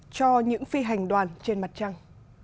cho những phi hành đoàn trên mặt trăng